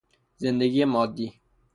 زندگی مادی